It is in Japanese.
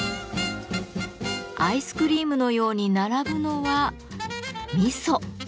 アイスクリームのように並ぶのは味噌。